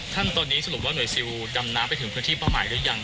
ท่านตอนนี้สรุปว่าหน่วยซิลดำน้ำไปถึงพื้นที่เป้าหมายหรือยัง